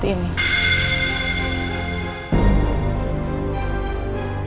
saya tidak bisa mencari keputusan saya sendiri